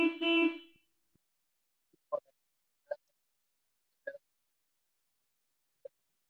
Al valor dS lo llamamos "elemento escalar de área".